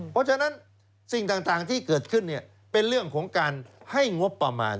เพราะฉะนั้นสิ่งต่างที่เกิดขึ้นเป็นเรื่องของการให้งบประมาณ